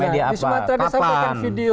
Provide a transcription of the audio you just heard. di sumatera disampaikan video